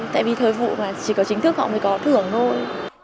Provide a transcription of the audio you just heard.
tại vì thời vụ là chỉ có chính thức họ mới có thưởng thôi